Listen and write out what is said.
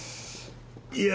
いや